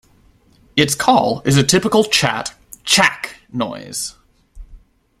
Its call is a typical chat "chack" noise.